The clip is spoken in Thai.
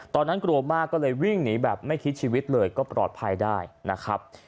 ตอนนั้นกลัวมากก็เลยวิ่งหนีแบบไม่คิดชีวิตเลยก็ปลอดภัยได้นะครับ